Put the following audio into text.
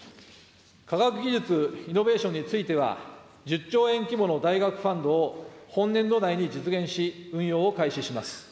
科学技術・イノベーションについては、１０兆円規模の大学ファンドを本年度内に実現し、運用を開始します。